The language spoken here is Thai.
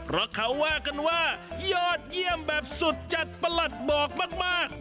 เพราะเขาว่ากันว่ายอดเยี่ยมแบบสุดจัดประหลัดบอกมาก